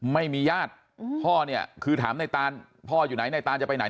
ไม่มีญาติพ่อเนี่ยคือถามในตานพ่ออยู่ไหนในตานจะไปไหน